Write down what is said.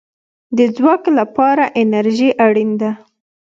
د ځواک لپاره انرژي اړین ده